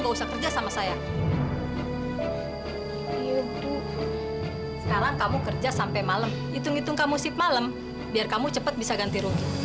besok maya harus kumpulin duit lagi